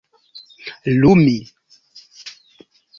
lumi